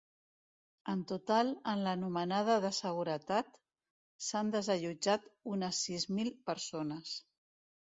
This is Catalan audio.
En total, en l’anomenada de seguretat, s’han desallotjat unes sis mil persones.